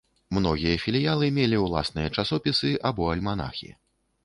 Многія філіялы мелі ўласныя часопісы або альманахі.